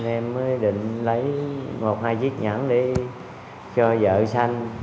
em mới định lấy một hai chiếc nhẫn để cho vợ sanh